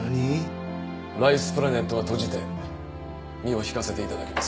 ライスプラネットは閉じて身を引かせていただきます